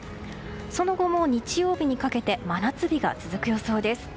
その後も日曜日にかけて真夏日が続く予想です。